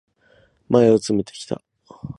前を詰めてきた、両襟だ。